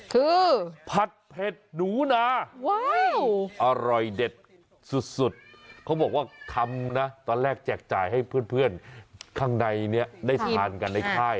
คือผัดเผ็ดหนูนาวอร่อยเด็ดสุดเขาบอกว่าทำนะตอนแรกแจกจ่ายให้เพื่อนข้างในนี้ได้ทานกันในค่าย